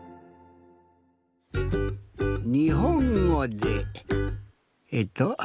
にほんごでえっと。